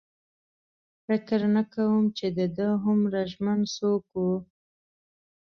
فکر نه کوم چې د ده هومره ژمن څوک و.